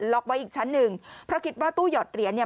ไว้อีกชั้นหนึ่งเพราะคิดว่าตู้หยอดเหรียญเนี่ย